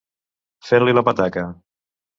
Fer-li la petaca.